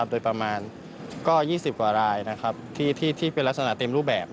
โดยประมาณก็๒๐กว่ารายที่เป็นลักษณะเต็มรูปแบบ